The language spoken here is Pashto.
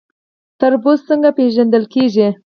تربوز څنګه پیژندل کیږي؟